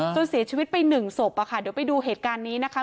จนเสียชีวิตไปหนึ่งศพอะค่ะเดี๋ยวไปดูเหตุการณ์นี้นะคะ